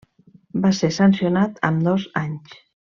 Va ser sancionat amb dos anys.